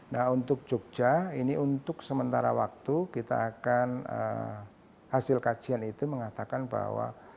nah untuk jogja ini untuk sementara waktu kita akan hasil kajian itu mengatakan bahwa